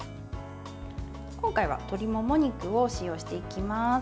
今回は鶏もも肉を使用していきます。